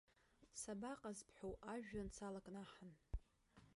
Сабаҟаз бҳәоу, ажәҩан салакнаҳан!